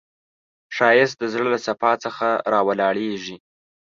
ښایست د زړه له صفا څخه راولاړیږي